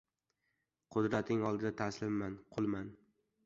Qudrating oldida taslimman, qulman